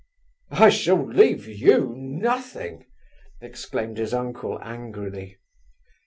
"I shall leave you nothing!" exclaimed his uncle angrily.